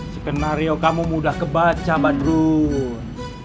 skenario kamu mudah kebaca badrun